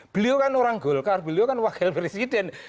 beliau kan orang golkar beliau kan wakil presiden